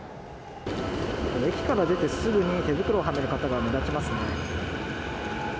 駅から出てすぐに、手袋をはめる方が目立ちますね。